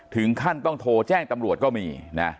ถึงขั้นต้องโทรแจ้งตำรวจก็มีนะ